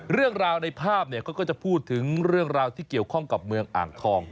เรื่องราวในภาพเนี่ยเขาก็จะพูดถึงเรื่องราวที่เกี่ยวข้องกับเมืองอ่างทอง